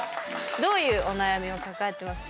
どういうお悩みを抱えてますか？